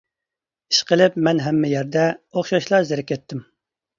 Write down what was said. ئىشقىلىپ مەن ھەممە يەردە ئوخشاشلا زېرىكەتتىم.